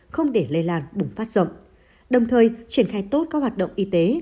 không để lây lan bùng phát rộng đồng thời triển khai tốt các hoạt động y tế